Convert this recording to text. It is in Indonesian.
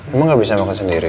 emang gak bisa makan sendiri